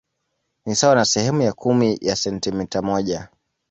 Ni sawa na sehemu ya kumi ya sentimita moja.